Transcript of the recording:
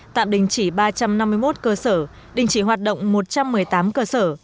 tạm đình chỉ ba trăm năm mươi một cơ sở đình chỉ hoạt động một trăm một mươi tám cơ sở